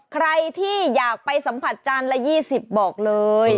ใครที่อยากไปสัมผัสจานละ๒๐บอกเลย